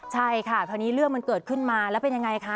ใช่ค่ะคราวนี้เรื่องมันเกิดขึ้นมาแล้วเป็นยังไงคะ